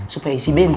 supaya isi bensin